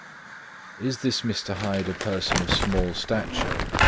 "Is this Mr. Hyde a person of small stature?"